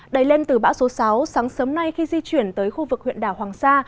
đầy lên từ bão số sáu sáng sớm nay khi di chuyển tới khu vực huyện đảo hoàng sa